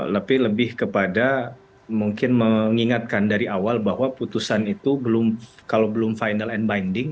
lebih lebih kepada mungkin mengingatkan dari awal bahwa putusan itu kalau belum final and binding